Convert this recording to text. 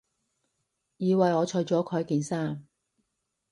以為我除咗佢件衫